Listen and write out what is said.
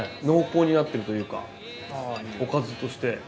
濃厚になってるというかおかずとして。